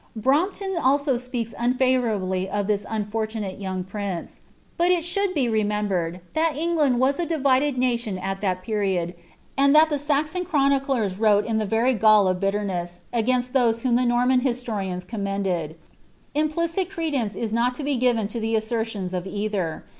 Brompton also speaks unfavourahly of this unfortunate yonog ptiiM«i but it should be rentembered thai England was a divided nation at thu period, and that the Saxon chroniclers wrote in the very gall of iHtlai^ nest against tlioae whom the Norm^ historians commended. Iraf^ieit credence is not to be giren to the assertions of either.